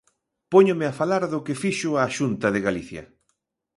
Póñome a falar do que fixo a Xunta de Galicia.